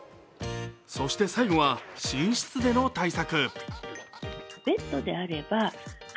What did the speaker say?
そして最後は、寝室での対策。